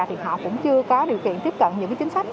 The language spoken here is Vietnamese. thì họ cũng chưa có điều kiện tiếp cận những chính sách